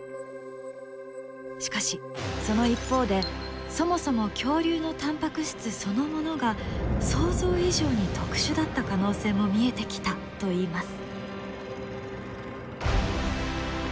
しかしその一方でそもそも恐竜のタンパク質そのものが想像以上に特殊だった可能性も見えてきたといいます。